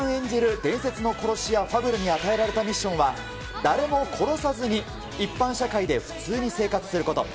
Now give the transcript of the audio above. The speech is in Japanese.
伝説の殺し屋、ファブルに与えられたミッションは、誰も殺さずに、一般社会で普通に生活すること。